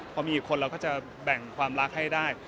พอมีอีกคนเราก็จะแบ่งความรักให้ได้